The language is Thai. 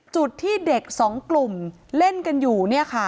จุดที่เด็กสองกลุ่มเล่นกันอยู่